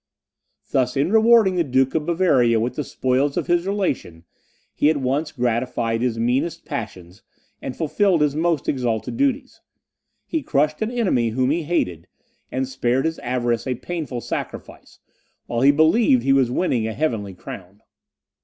Thus, in rewarding the Duke of Bavaria with the spoils of his relation, he at once gratified his meanest passions and fulfilled his most exalted duties; he crushed an enemy whom he hated, and spared his avarice a painful sacrifice, while he believed he was winning a heavenly crown.